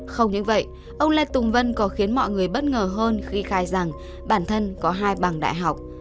không những vậy ông lê tùng vân còn khiến mọi người bất ngờ hơn khi khai rằng bản thân có hai bằng đại học